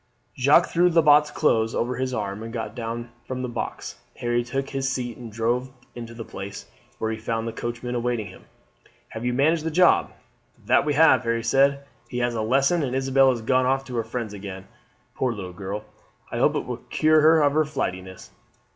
Jacques threw Lebat's clothes over his arm and got down from the box. Harry took his seat and drove into the Place, where he found the coachman awaiting him. "Have you managed the job?" "That we have," Harry said. "He has a lesson, and Isabel has gone off to her friends again. Poor little girl, I hope it will cure her of her flightiness.